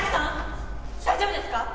大丈夫ですか？